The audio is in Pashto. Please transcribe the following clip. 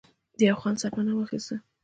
د يو خان سره پناه واخسته